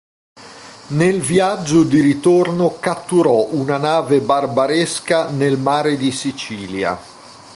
Nel viaggio di ritorno catturò una nave barbaresca nel mare di Sicilia.